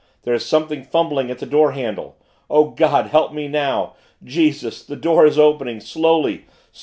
There is something fumbling at the door handle. O God, help me now! Jesus The door is opening slowly.